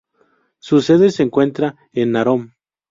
Su sede se encuentra en Narón.